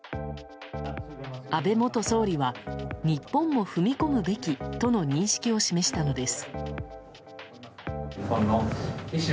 安倍元総理は日本も踏み込むべきとの認識を示したのです。